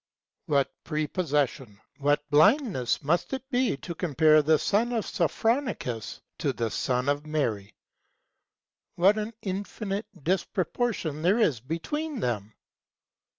What prepossession, what blindness must it be to compare the son of Sophronicus to the son of Mary! What an infinite dis proportion there is between them